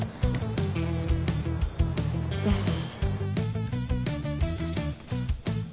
よし！